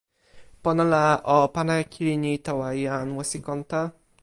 pona la o pana e kili ni tawa jan Wesikonta.